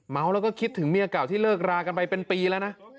แล้วก็คิดถึงเมียเก่าที่เลิกรากันไปเป็นปีแล้วนะ